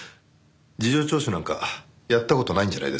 事情聴取なんかやった事ないんじゃないですか？